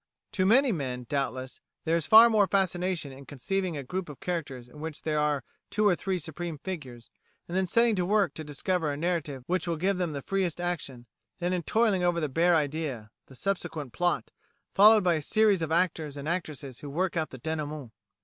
To many men, doubtless, there is far more fascination in conceiving a group of characters in which there are two or three supreme figures, and then setting to work to discover a narrative which will give them the freest action, than in toiling over the bare idea, the subsequent plot, followed by a series of actors and actresses who work out the dénouement.